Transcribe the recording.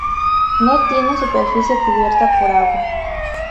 No tiene superficie cubierta por agua.